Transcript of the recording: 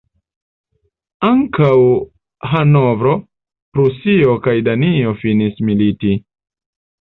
Ankaŭ Hanovro, Prusio kaj Danio finis militi.